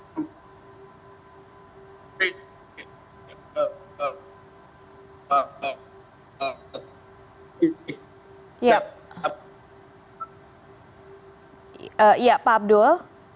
ya pak abdul